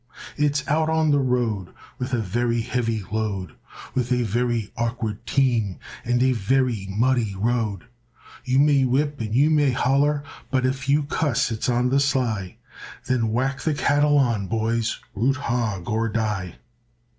It's out on the road With a very heavy load, With a very awkward team And a very muddy road, You may whip and you may holler, But if you cuss it's on the sly; Then whack the cattle on, boys, Root hog or die.